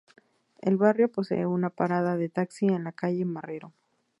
El barrio posee una parada de taxi en la calle Marrero.